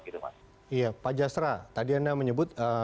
iya pak jasra tadi anda menyebut